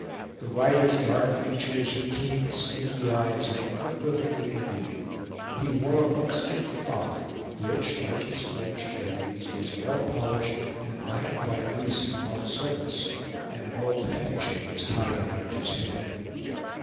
The rider's dark features and keen snaky eyes were unequivocally Indian. He wore a buckskin frock, which, like his fringed leggings, was well polished and blackened by grease and long service; and an old handkerchief was tied around his head.